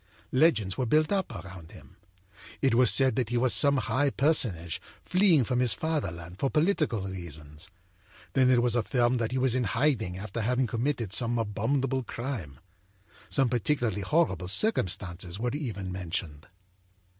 âLegends were built up around him. It was said that he was some high personage, fleeing from his fatherland for political reasons; then it was affirmed that he was in hiding after having committed some abominable crime. Some particularly horrible circumstances were even mentioned.